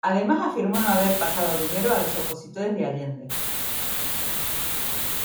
Además afirmó no haber pasado dinero a los opositores a Allende.